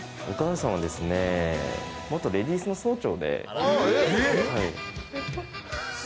お母さんはですね、元レディースの総長で。